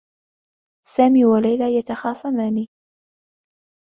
سامي و ليلى يتخاصمان.